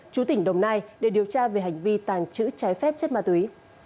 chú tỉnh đồng nai để điều tra về hành vi tàng trữ trái phép chất ma túy